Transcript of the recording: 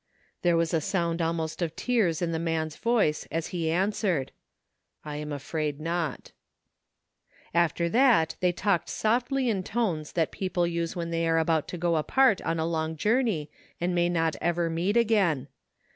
There was a sound almost of tears in the man's voice as he answered: " I am afraid not." After that they talked softly in tones that people 93 THE FINDING OF JASPER HOLT use when they are about to go apart on a long journey and may not ever meet again.